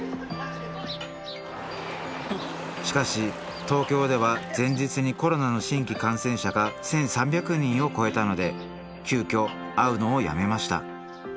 しかし東京では前日にコロナの新規感染者が１，３００人を超えたので急きょ会うのをやめました。